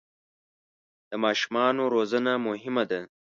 د ماشومانو روزنه مهمه ده.